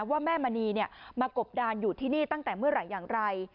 ว่าแม่มณีมากบดานอยู่ที่นี่ตั้งแต่เมื่อไหร่อย่างไร